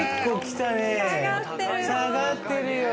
下がってるよ。